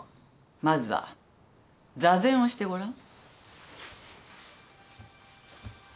まずは座禅をしてごらん。